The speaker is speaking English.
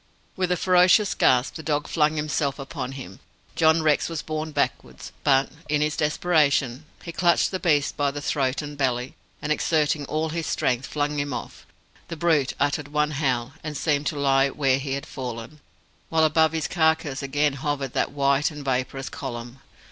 With a ferocious gasp, the dog flung himself upon him. John Rex was borne backwards, but, in his desperation, he clutched the beast by the throat and belly, and, exerting all his strength, flung him off. The brute uttered one howl, and seemed to lie where he had fallen; while above his carcase again hovered that white and vaporous column.